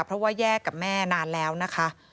เพราะว่าแยกกับแม่นานแล้วนะคะ